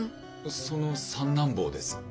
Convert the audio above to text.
その三男坊です。